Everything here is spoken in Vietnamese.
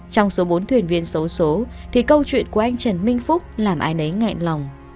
trong số bốn thuyền viên xấu số thì câu chuyện của anh trần minh phúc làm ai nấy lòng